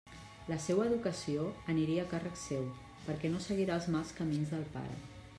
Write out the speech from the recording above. La seua educació aniria a càrrec seu, perquè no seguira els mals camins del pare.